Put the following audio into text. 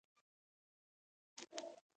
د هغه دا عقیده به یې ردوله.